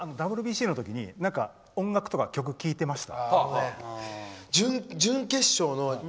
監督、ＷＢＣの時に何か音楽とか、曲聴いてました？